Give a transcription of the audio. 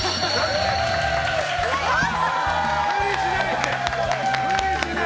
無理しないで！